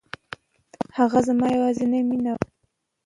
هغه زما يوازينی مینه وه.